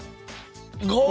５！